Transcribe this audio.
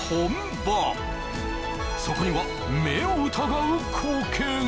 そこには目を疑う光景が